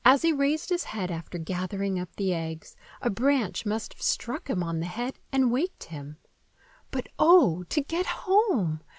As he raised his head after gathering up the eggs, a branch must have struck him on the head and waked him. But oh, to get home!